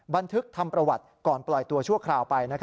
บันทึกทำประวัติก่อนปล่อยตัวชั่วคราวไป